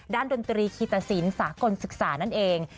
ด้านดนตรีคีย์ตะศีลสากลศึกษานั่นเอง